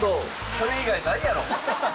それ以外ないやろ。